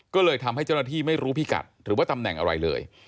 ก็เลยทำให้เจ้าหน้าที่ไม่รู้พิกัดหรือว่าตำแหน่งอะไรเลย